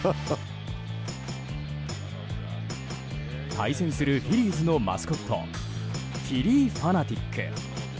対戦するフィリーズのマスコットフィリー・ファナティック。